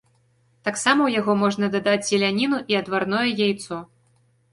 Таксама ў яго можна дадаць зеляніну і адварное яйцо.